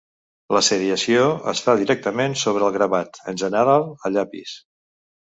La seriació es fa directament sobre el gravat, en general a llapis.